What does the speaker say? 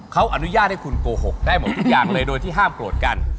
เขาอนุญาตให้คุณโกหกได้หมดทุกอย่างเลยโดยที่ห้ามโกรธกัน